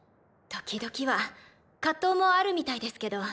時々は葛藤もあるみたいですけど。